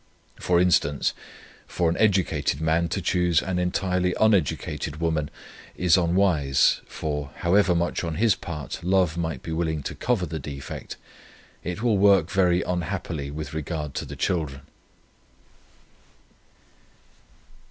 For instance, for an educated man to choose an entirely uneducated woman, is unwise; for however much on his part love might be willing to cover the defect, it will work very unhappily with regard to the children."